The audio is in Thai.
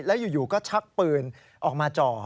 แล้วอยู่ก็ชักปืนออกมาจ่อ